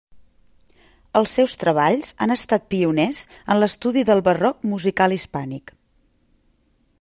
Els seus treballs han estat pioners en l'estudi del barroc musical hispànic.